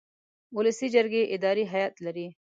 ولسي جرګې اداري هیئت لري.